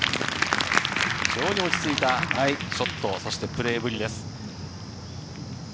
非常に落ち着いたショット、そしてプレーぶりです。